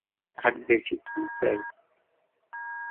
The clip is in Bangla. আর বেশি কী চাই?